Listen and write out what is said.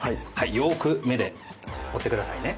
よーく目で追ってくださいね。